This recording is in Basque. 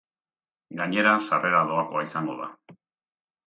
Gainera, sarrera doakoa izango da.